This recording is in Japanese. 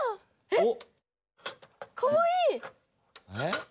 えっ！